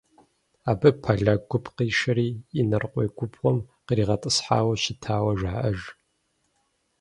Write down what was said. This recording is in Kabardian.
Абы поляк гуп къишэри Инарыкъуей губгъуэм къригъэтӏысхьауэ щытауэ жаӏэж.